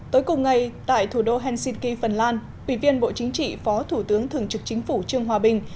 tối cùng ngày tại thủ đô helsinki phần lan ủy viên bộ chính trị phó thủ tướng thường trực chính phủ trương hòa bình